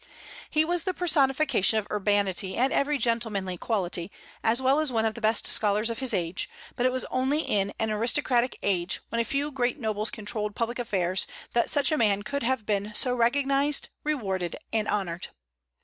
He was the personification of urbanity and every gentlemanly quality, as well as one of the best scholars of his age; but it was only in an aristocratic age, when a few great nobles controlled public affairs, that such a man could have been so recognized, rewarded, and honored.